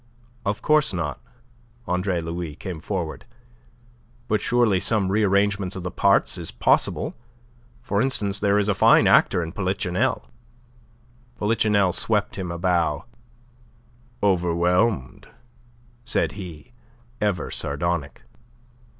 "Of course not." Andre Louis came forward. "But surely some rearrangement of the parts is possible. For instance, there is a fine actor in Polichinelle." Polichinelle swept him a bow. "Overwhelmed," said he, ever sardonic.